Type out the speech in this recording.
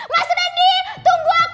mas rendy tunggu aku mas